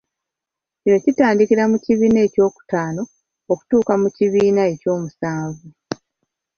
Kino kitandikira mu kibiina ekyokutaano okutuuka mu kibiina eky'omusanvu.